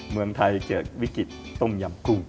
เมืองไทยเจอกวิกฤตตุมยำกุ